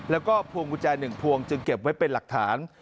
แล้วก็พวงกุญแจ๑พวงจึงเก็บไว้เป็นหลักฐาน